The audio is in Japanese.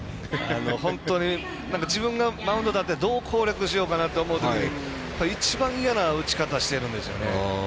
本当に自分がマウンド立っててどう攻略しようかなと思うときに一番嫌な打ち方してるんですよね。